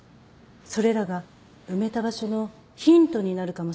それらが埋めた場所のヒントになるかもしれません。